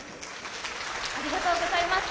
ありがとうございます。